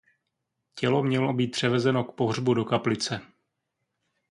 Tělo mělo být převezeno k pohřbu do Kaplice.